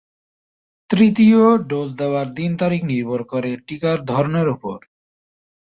তৃতীয় ডোজ দেয়ার দিন-তারিখ নির্ভর করে টিকার ধরনের উপর।